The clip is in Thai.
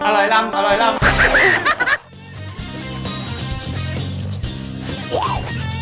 อร่อยลำอร่อยลำ